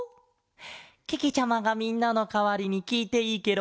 けけちゃまがみんなのかわりにきいていいケロ？